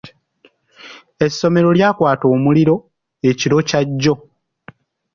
Essomero lyakwata omuliro ekiro kya jjo.